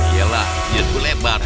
yalah next gue lebar